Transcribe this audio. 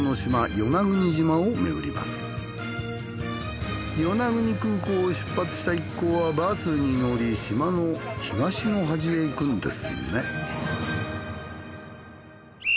与那国空港を出発した一行はバスに乗り島の東の端へ行くんですね。